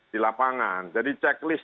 di lapangan jadi checklist